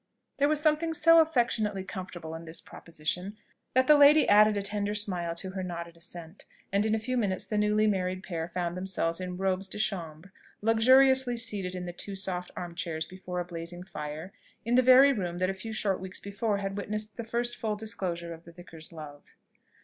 There was something so affectionately comfortable in the proposition, that the lady added a tender smile to her nodded assent, and in a few minutes the newly married pair found themselves in robes de chambre, luxuriously seated in two soft arm chairs before a blazing fire, in the very room that a few short weeks before had witnessed the first full disclosure of the vicar's love.